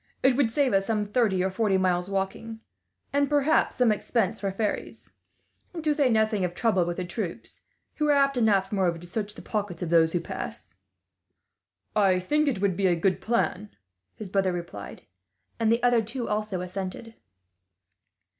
"It would save us some thirty or forty miles walking, and perhaps some expense for ferrys; to say nought of trouble with the troops, who are apt enough, moreover, to search the pockets of those who pass." "I think it would be a good plan," his brother replied; and the other two also assented.